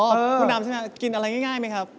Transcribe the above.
คุณดำใช่ไหมกินอะไรง่ายไหมครับ